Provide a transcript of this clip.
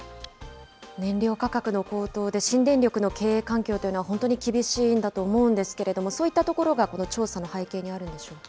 燃料価格の高騰で新電力の経営環境というのは本当に厳しいんだと思うんですけれども、そういったところが調査の背景にあるんでしょうか。